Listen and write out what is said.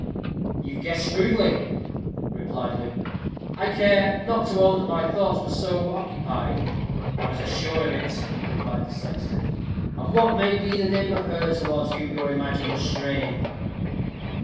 "You have guessed shrewdly," replied Luke; "I care not to own that my thoughts were so occupied." "I was assured of it," replied the sexton. "And what may be the name of her towards whom your imagination was straying?"